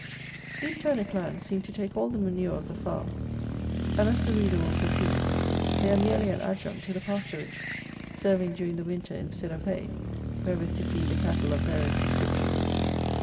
These turnip lands seem to take all the manure of the farm; and, as the reader will perceive, they are merely an adjunct to the pasturage, serving, during the winter, instead of hay, wherewith to feed the cattle of various descriptions.